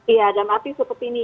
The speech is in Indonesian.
iya dan maksudnya seperti ini